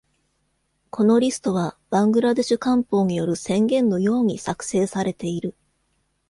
このリストは、バングラデシュ官報による宣言のように作成されている。